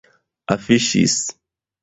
afiŝis